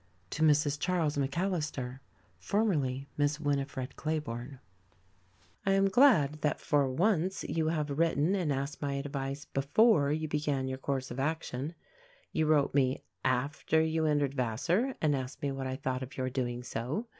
To Mrs. Charles McAllister Formerly Miss Winifred Clayborne I am glad that for once you have written and asked my advice before you began your course of action. You wrote me after you entered Vassar and asked me what I thought of your doing so.